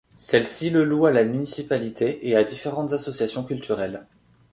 Celle-ci le loue à la municipalité et à différentes associations culturelles.